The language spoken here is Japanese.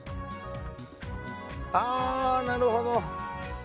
あなるほど。